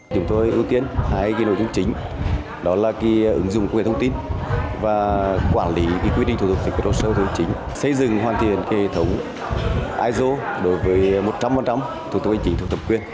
chúng tôi ưu tiên hai cái nội dung chính đó là cái ứng dụng công nghệ thông tin và quản lý cái quyết định thủ tục hành chính xây dựng hoàn thiện cái hệ thống iso đối với một trăm linh thủ tục hành chính thủ tục thập quyền